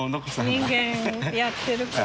人間やってる事。